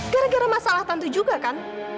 gara gara masalah tantu juga kan